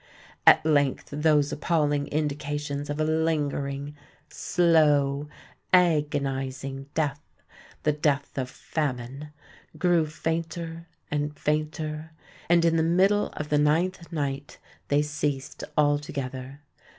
At length those appalling indications of a lingering—slow—agonising death,—the death of famine,—grew fainter and fainter; and in the middle of the ninth night they ceased altogether.